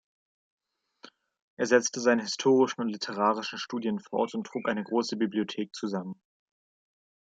Er setzte seine historischen und literarischen Studien fort und trug eine grosse Bibliothek zusammen.